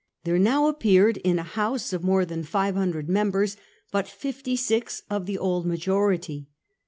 There now appeared, in a House of more than 500 members, but fifty six of the old ma jority.